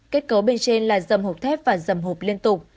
kết cấu bên trên là dầm hộp thép và dầm hộp liên tục